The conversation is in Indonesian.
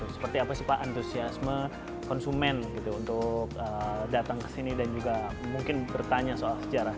seperti apa sih pak antusiasme konsumen gitu untuk datang ke sini dan juga mungkin bertanya soal sejarah